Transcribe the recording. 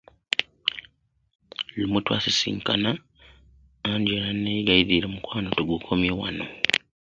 Lumu twasisinkana, Angela n'anneegayirira omukwano tugukomye wano.